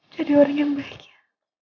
jadi orang yang baik ya